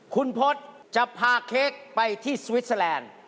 คุณพศจะพาเค้กไปที่สวิสเตอร์แลนด์